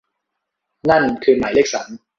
นั่นคือหมายเลขสาม